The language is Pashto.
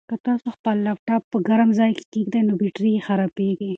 که تاسو خپل لپټاپ په ګرم ځای کې کېږدئ نو بېټرۍ یې خرابیږي.